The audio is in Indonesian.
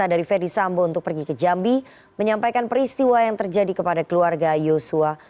minta dari ferdis sambo untuk pergi ke jambi menyampaikan peristiwa yang terjadi kepada keluarga yuswa